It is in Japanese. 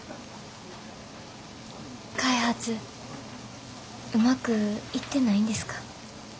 開発うまくいってないんですか？